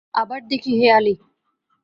আবার দেখি হেঁয়ালি।